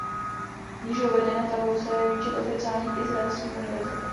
V níže uvedené tabulce je výčet oficiálních izraelských univerzit.